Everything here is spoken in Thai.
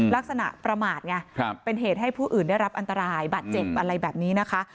ลักษณะประมาทไงเป็นเหตุให้ผู้อื่นได้รับอันตรายบาดเจ็บอะไรแบบนี้นะคะ